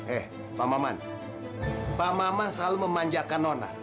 eh pak maman pak mama selalu memanjakan nona